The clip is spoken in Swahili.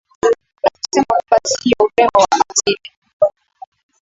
na kusema kwamba sio urembo wa asilia